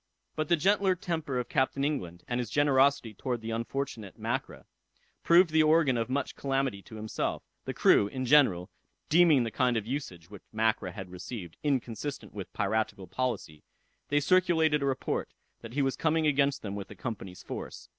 But the gentle temper of Captain England, and his generosity towards the unfortunate Mackra, proved the organ of much calamity to himself. The crew, in general, deeming the kind of usage which Mackra had received, inconsistent with piratical policy, they circulated a report, that he was coming against them with the Company's force.